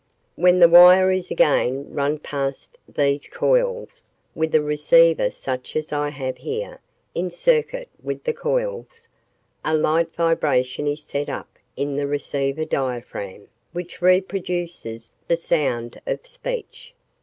"When the wire is again run past these coils with a receiver such as I have here in circuit with the coils, a light vibration is set up in the receiver diaphragm which reproduces the sound of speech."